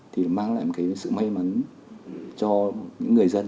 thì mang lại một cái sự may mắn cho những người dân